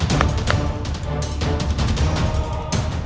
menurutmu itu mulutnyaound